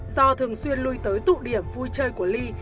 do thường xuyên lui tới tụ điểm vui chơi của ly